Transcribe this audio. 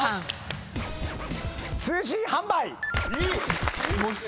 通信販売。